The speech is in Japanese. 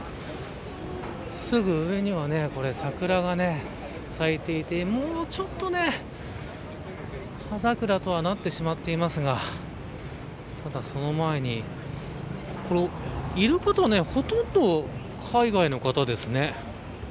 すぐ上には桜が咲いていて、もう、ちょっとね葉桜とはなっていますがただ、その前にいる方はほとんど海外の方ですね。